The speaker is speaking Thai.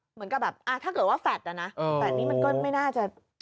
เหมือนกับแบบถ้าเกิดว่าแฟลตอะนะแท็ตนี่มันก็ไม่น่าจะ